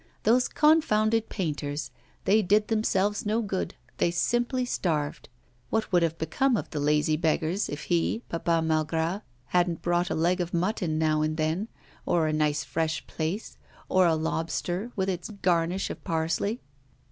Those confounded painters, they did themselves no good, they simply starved. What would have become of the lazy beggars if he, Papa Malgras, hadn't brought a leg of mutton now and then, or a nice fresh plaice, or a lobster, with its garnish of parsley?